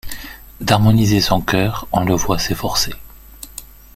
D'harmoniser son cœur on le voit s'efforcer.